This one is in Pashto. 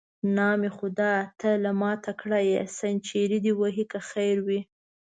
نام خدای، ته له ما تکړه یې، سنچري دې وهې که خیر وي.